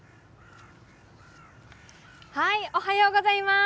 おはようございます。